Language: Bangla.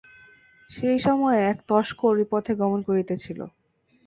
সেই সময়ে এক তস্কর ঐ পথে গমন করিতেছিল।